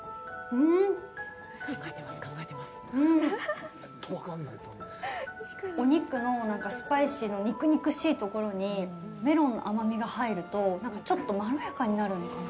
うーんお肉のスパイシーの肉々しいところにメロンの甘みが入るとちょっとまろやかになるのかな。